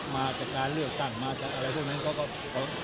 มาจากการเลือกต่างมาจากอะไรทุกอย่างนั้น